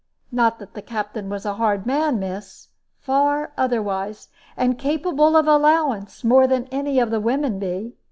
Not that the Captain was a hard man, miss far otherwise, and capable of allowance, more than any of the women be.